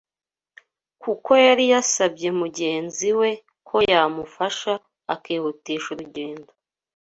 kuko yari yasabye mugenzi we ko yamufasha akihutisha urugendo